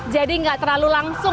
jadi nggak terlalu langsung